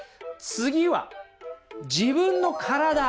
次は自分の身体！